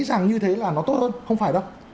rằng như thế là nó tốt hơn không phải đâu